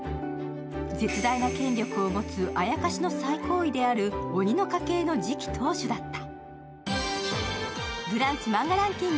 絶大な権力を持つあやかしの最高位である鬼の家系の次期当主だった。